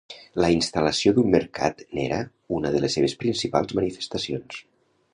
La instal·lació d'un mercat n'era una de les seves principals manifestacions.